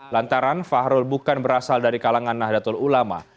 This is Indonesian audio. lantaran fahrul bukan berasal dari kalangan nahdlatul ulama